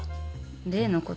例のこと？